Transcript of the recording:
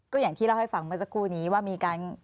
ก็อย่างที่เล่าให้ฟังเมื่อสักครู่นี้ว่ามีการ